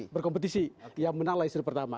berkompetisi yang menanglah istri pertama